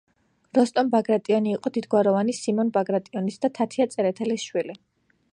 როსტომ ბაგრატიონი იყო დიდგვაროვანი სიმონ ბაგრატიონის და თათია წერეთელის შვილი.